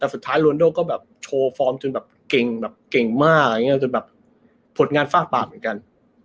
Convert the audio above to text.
แต่สุดท้ายโรนันด้อก็แบบโชว์ฟอมจนแบบเก่งมากจนแบบโผลดงานฟาดปากเหมือนกัน